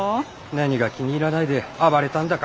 何が気に入らないで暴れたんだか。